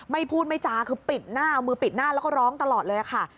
ไม่พูดไม่จาคือปิดหน้าเอามือปิดหน้าแล้วก็ร้องตลอดเลยค่ะ